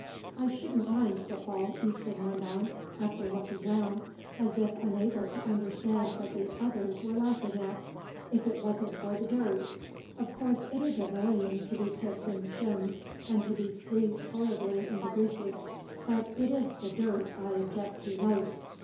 "I shouldn't mind football," Easton went on, after looking round as if unable to understand what the others were laughing at, "if it wasn't for the dirt. Of course it is annoying to be kicked in the shins and to be squeezed horribly in the greases, but it is the dirt I object to most.